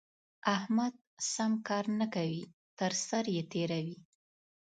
احمد سم کار نه کوي؛ تر سر يې تېروي.